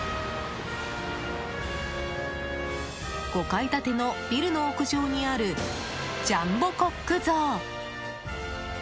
５階建てのビルの屋上にあるジャンボコック像。